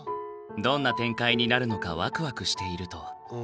どんな展開になるのかワクワクしていると。